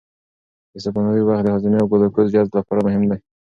د سباناري وخت د هاضمې او ګلوکوز جذب لپاره مهم دی.